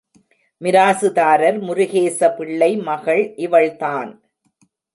மிராசுதார் முருகேச பிள்ளை மகள் இவள்தான்.